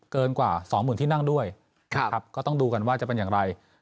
เกินกว่าสองหมื่นที่นั่งด้วยก็ต้องดูกันว่าจะเป็นอย่างไร